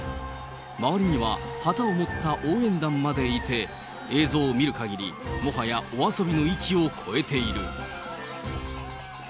周りには旗を持った応援団もいて、映像を見るかぎり、もはやお遊びの域を超えている。